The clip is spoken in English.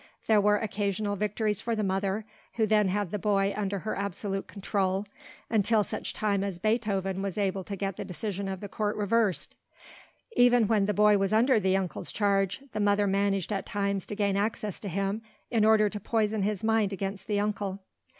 There were occasional victories for the mother, who then had the boy under her absolute control until such time as Beethoven was able to get the decision of the Court reversed. Even when the boy was under the uncle's charge, the mother managed at times to gain access to him in order to poison his mind against the uncle.